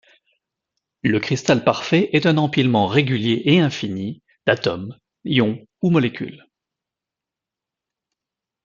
Le cristal parfait est un empilement régulier et infini d'atomes, ions ou molécules.